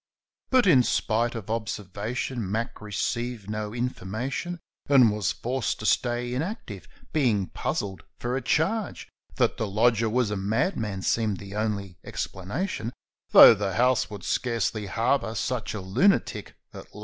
But, in spite of observation, Mac received no infor mation And was forced to stay inactive, being puzzled for a charge. That the lodger was a madman seemed the only explanation, Tho' the house would scarcely harbour such a lunatic at large.